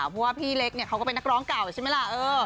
เพราะว่าพี่เล็กเนี่ยเขาก็เป็นนักร้องเก่าใช่ไหมล่ะ